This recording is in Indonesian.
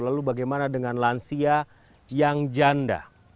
lalu bagaimana dengan lansia yang janda